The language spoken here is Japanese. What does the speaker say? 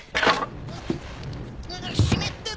湿ってる！